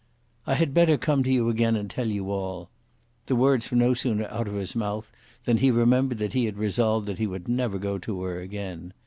"I had better come to you again and tell you all." The words were no sooner out of his mouth than he remembered that he had resolved that he would never go to her again.